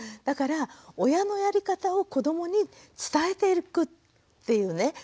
だから親のやり方を子どもに伝えていくっていうね。